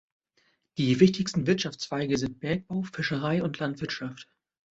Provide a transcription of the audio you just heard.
Die wichtigsten Wirtschaftszweige sind Bergbau, Fischerei und Landwirtschaft.